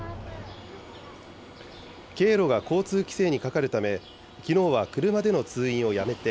経路が交通規制にかかるため、きのうは車での通院をやめて、